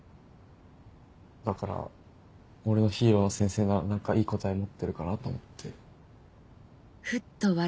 だから俺のヒーローの先生なら何かいい答え持ってるかなと思って。